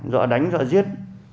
dọa đánh dọa giết